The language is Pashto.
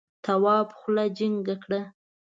تواب خوله جینگه کړه.